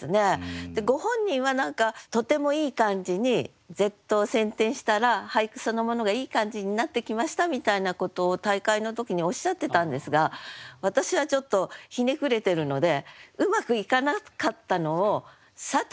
でご本人は何か「とてもいい感じに舌頭千転したら俳句そのものがいい感じになってきました」みたいなことを大会の時におっしゃってたんですが私はちょっとひねくれてるのでうまくいかなかったのをさて